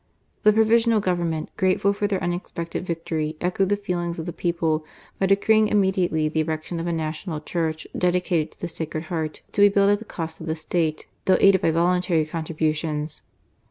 The provisional Government, grateful for their unexpected victory, echoed the feelings of the people by decreeinf; immediately the erection of a national' church, dedicated to the Sacred Heart, to be built at the cost of the State, though aided by voluntary contributions.